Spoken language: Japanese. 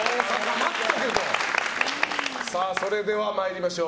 それでは、参りましょう。